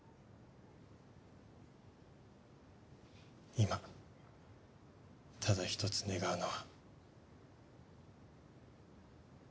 今ただ一つ願うのは。